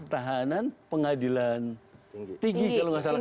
tahanan pengadilan tinggi kalau nggak salah